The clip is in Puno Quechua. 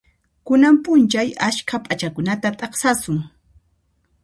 Kunan p'unchay askha p'achakunata t'aqsasun.